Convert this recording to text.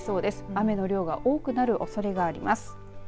雨の量が多くなるおそれがあります。